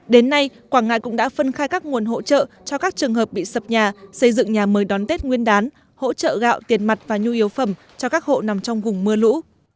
đến nay quảng ngãi cũng đã phân khai các nguồn hỗ trợ cho các trường hợp bị sập nhà xây dựng nhà mới đón tết nguyên đán hỗ trợ gạo tiền mặt và nhu yếu phẩm cho các hộ nằm trong vùng mưa lũ